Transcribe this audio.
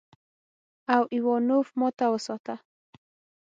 او ايوانوف ماته وساته.